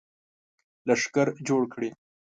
لښکر جوړ کړي.